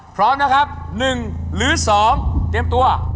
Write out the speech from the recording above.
พร้อมนะครับ๑หรือ๒เตรียมตัว